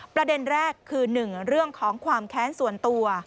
ประเด็นแรกคือ๑เรื่องของความแค้นส่วนตัว